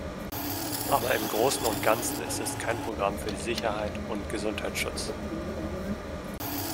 Aber im großen und ganzen ist es kein Programm für Sicherheit und Gesundheitsschutz.